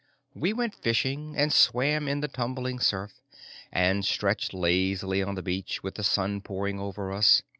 We went fishing, and swam in the tumbling surf, and stretched lazily on the beach with the sun pouring over us.